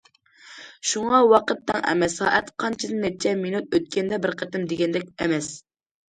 شۇڭا ۋاقىت تەڭ ئەمەس، سائەت قانچىدىن نەچچە مىنۇت ئۆتكەندە بىر قېتىم، دېگەندەك ئەمەس.